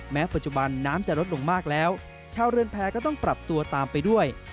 ปัจจุบันน้ำจะลดลงมากแล้วชาวเรือนแพ้ก็ต้องปรับตัวตามไปด้วย